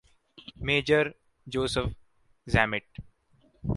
Mgr Joseph Zammit.